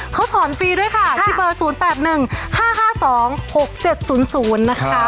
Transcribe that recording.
เขาสอนฟรีด้วยค่ะที่เบอร์๐๘๑๕๕๒๖๗๐๐นะคะ